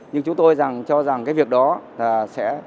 nhưng chúng tôi cho rằng cái việc đó sẽ